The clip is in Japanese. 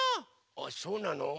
あそうなの？